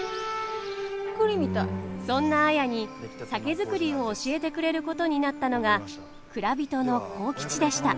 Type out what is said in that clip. そんな綾に酒造りを教えてくれることになったのが蔵人の幸吉でした。